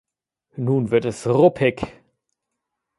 Nun wird es "ruppig".